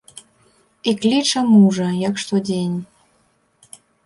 І кліча мужа, як штодзень.